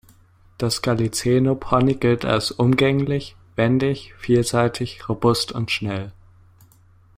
Das Galiceno-Pony gilt als umgänglich, wendig, vielseitig, robust und schnell.